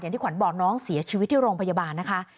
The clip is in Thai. ที่ขวัญบอกน้องเสียชีวิตที่โรงพยาบาลนะคะ